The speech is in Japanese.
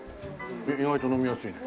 意外と飲みやすいね。